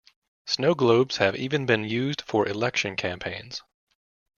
Snow globes have even been used for election campaigns.